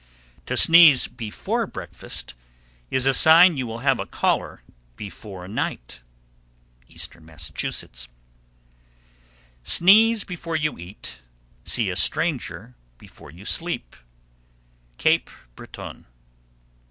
To sneeze before breakfast is a sign you will have a caller before night. Eastern Massachusetts. 787. Sneeze before you eat, See a stranger before you sleep. _Cape Breton.